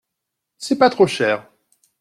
C’est pas trop cher.